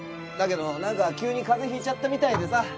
だけど何か急に風邪ひいちゃったみたいでさ。